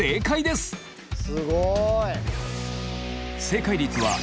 すごい。